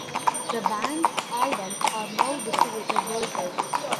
The band's albums are now distributed worldwide.